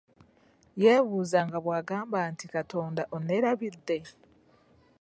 Yeebuuza nga bwagamba nti katonda onneerabidde?